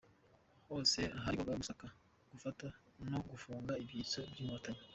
Hose yaregwaga gusaka, gufata no gufunga ibyitso by’inkotanyi.